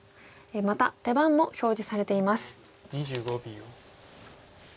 また手番も表示されています。